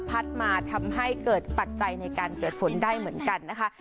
มาทำให้เกิดปัจจัยในการเกิดฝนได้เหมือนกันนะคะ